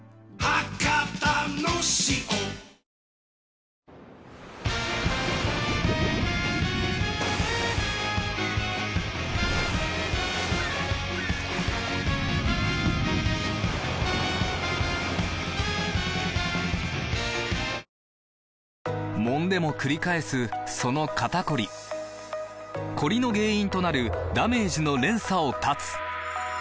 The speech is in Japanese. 「エリエール」マスクももんでもくり返すその肩こりコリの原因となるダメージの連鎖を断つ！